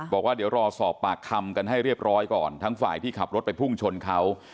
บอกว่าเดี๋ยวรอสอบปากคำกันให้เรียบร้อยก่อนทั้งฝ่ายที่ขับรถไปพุ่งชนเขา